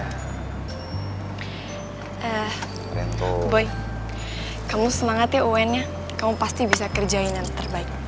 eh boy kamu semangat ya unnya kamu pasti bisa kerjain yang terbaik